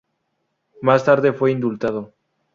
Más tarde fue indultado.